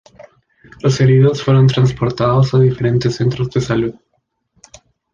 Los heridos fueron transportados a diferentes centros de salud.